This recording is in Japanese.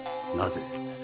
なぜ？